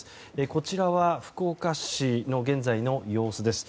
こちらは福岡市の現在の様子です。